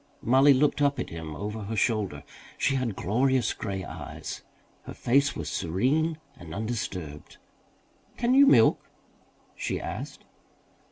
Mollie looked up at him over her shoulder. She had glorious grey eyes. Her face was serene and undisturbed. "Can you milk?" she asked.